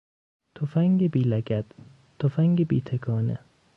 تفنگ بیلگد، تفنگ بیتکانه